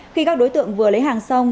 khi các đối tượng vừa lấy hàng xong